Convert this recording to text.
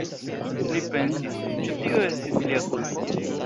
Li pensis: „Ĉu tio estis lia kulpo?“